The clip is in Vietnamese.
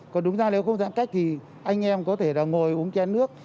còn đúng ra nếu không giãn cách thì anh em có thể ngồi uống chén nước